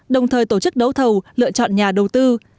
đồng thời tổ chức đấu thầu lựa chọn nhà đầu tư